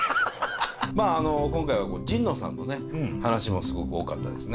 まああの今回は神野さんのね話もすごく多かったですね。